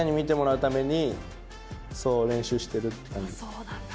そうなんだ。